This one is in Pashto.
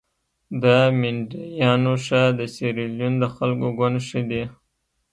د مینډیانو ښه د سیریلیون د خلکو ګوند ښه دي.